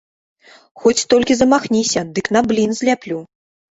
Хоць толькі замахніся, дык на блін зляплю!